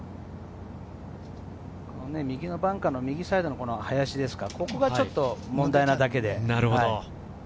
バンカーの右サイドの林、ここがちょっと問題なだけで。